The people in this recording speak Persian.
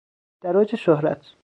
در اوج شهرت